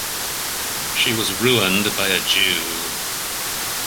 She was ruined by a Jew.